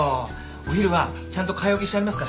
お昼はちゃんと買い置きしてありますから。